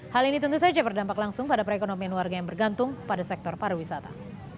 hal ini tentu saja berdampak langsung pada perekonomian warga yang bergantung pada sektor pariwisata